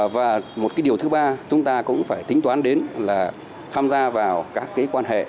và một cái điều thứ ba chúng ta cũng phải tính toán đến là tham gia vào các cái quan hệ